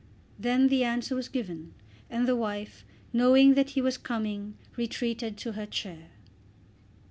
Then the answer was given, and the wife, knowing that he was coming, retreated back to her chair.